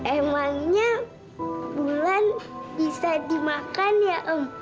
emangnya bulan bisa dimakan ya